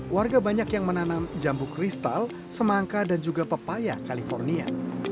warga banyak yang menanam jambu kristal semangka dan juga pepaya california